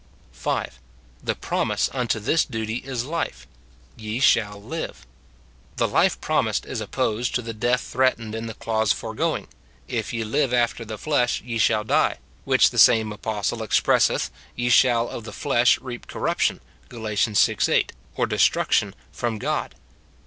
5. The promise unto this duty is life :" Ye shall live." The life promised is opposed to the death threatened in the clause foregoing, "If ye live after the flesh, ye shall die;" which the same apostle expresseth, "Ye shall of the flesh reap corruption," Gal. vi. 8, or destruction from God.